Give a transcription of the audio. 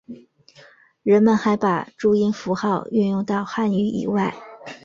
人们还把注音符号运用到汉语以外。